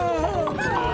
ああ！